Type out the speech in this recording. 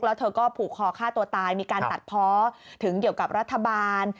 แล้วเธอก็ผูกคอฆ่าตัวตายมีการตัดเพาะถึงเกี่ยวกับรัฐบาล